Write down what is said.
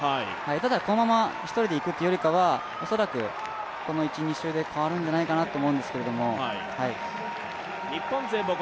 ただこのまま１人で行くというよりかは、おそらくこの１２周で変わるんじゃないかなと思うんですけれども。